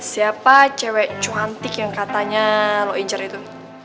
siapa cewek cuantik yang katanya lo incer itu